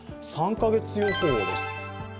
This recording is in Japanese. ３カ月予報です。